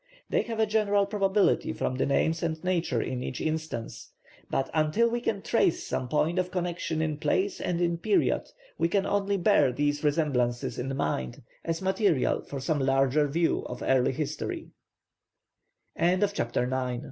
They have a general probability from the names and nature in each instance; but until we can trace some point of connection in place and in period, we can only bear these resemblances in mind as material for some larger view o